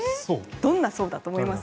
どんな層だと思います？